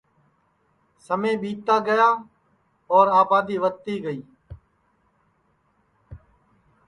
سمے ٻیتا گیا آبادی ودھتی گئی اور یہ ٻڈؔا جیناور جِدؔا بھنس ہوئی گی